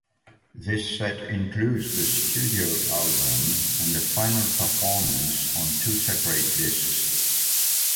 This set includes the studio album and the final performance on two separate discs.